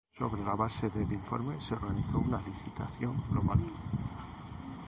Sobre la base del informe, se organizó una licitación global.